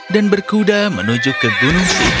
dan berkuda menuju ke gunung sihir